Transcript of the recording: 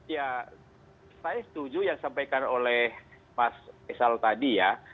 ya saya setuju yang disampaikan oleh mas faisal tadi ya